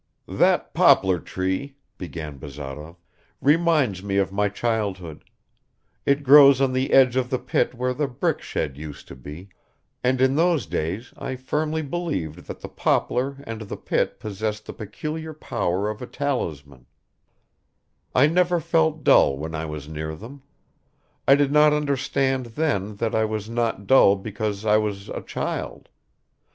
"That poplar tree," began Bazarov, "reminds me of my childhood; it grows on the edge of the pit where the brick shed used to be, and in those days I firmly believed that the poplar and the pit possessed the peculiar power of a talisman; I never felt dull when I was near them. I did not understand then that I was not dull just because I was a child.